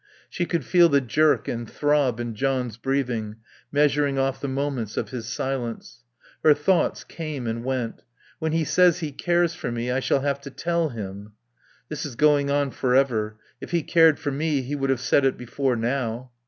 She could feel the jerk and throb in John's breathing, measuring off the moments of his silence. Her thoughts came and went. "When he says he cares for me I shall have to tell him" "This is going on for ever. If he cared for me he would have said it before now."